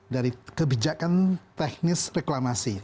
dari kebijakan teknis reklamasi